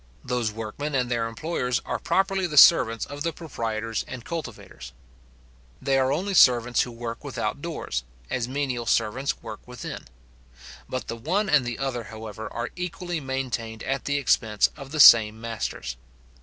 Those workmen and their employers are properly the servants of the proprietors and cultivators. They are only servants who work without doors, as menial servants work within. Both the one and the other, however, are equally maintained at the expense of the same masters.